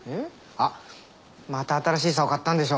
あっまた新しい竿買ったんでしょ？